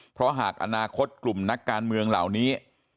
เพราะหากอนาคตกลุ่มนักการเมืองเหล่านี้